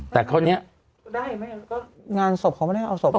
แต่คราวนี้ได้ไหมก็งานศพเขาไม่ได้เอาศพ